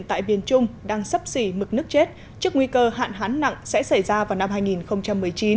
tại biên trung đang sắp xỉ mực nước chết trước nguy cơ hạn hán nặng sẽ xảy ra vào năm hai nghìn một mươi chín